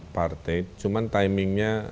partai cuman timingnya